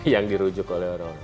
yang dirujuk oleh orang